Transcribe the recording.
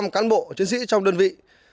một trăm cán bộ chiến sĩ trong đơn vị